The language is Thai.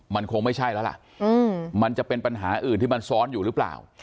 มันคงไม่ใช่แล้วล่ะมันจะเป็นปัญหาอื่นที่มันซ้อนอยู่หรือเปล่า